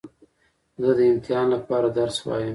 زه د امتحان له پاره درس وایم.